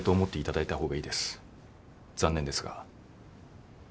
残念ですが。